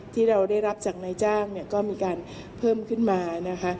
ที่เราได้รับจากในจ้างก็มีการเพิ่มขึ้นมา